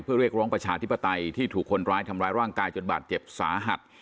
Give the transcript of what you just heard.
เพื่อเรียกร้องประชาธิปไตยที่ถูกคนร้ายทำร้ายร่างกายจนบาดเจ็บสาหัส